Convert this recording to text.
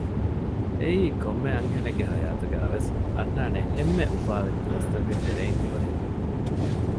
އެއީ ކޮންމެ އަންހެނެއްގެ ހަޔާތުގައިވެސް އަންނާނެ އެންމެ އުފާވެރި ދުވަސްތަކުގެ ތެރެއިން ދުވަހެއް